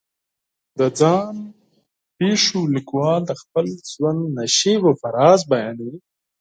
د ځان پېښو لیکوال د خپل ژوند نشیب و فراز بیانوي.